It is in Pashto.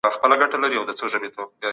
سالم ذهن هدف نه دروي.